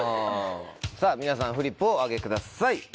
さぁ皆さんフリップをお上げください。